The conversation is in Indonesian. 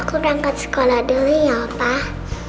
aku berangkat sekolah dulu ya apa